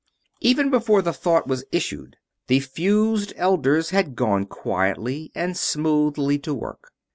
Even before the thought was issued the fused Elders had gone quietly and smoothly to work.